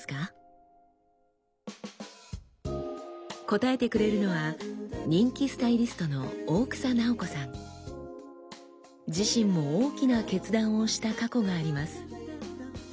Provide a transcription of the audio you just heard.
答えてくれるのは人気自身も大きな決断をした過去があります。